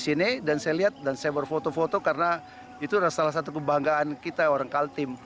sini dan saya lihat dan saya berfoto foto karena itu adalah salah satu kebanggaan kita orang kaltim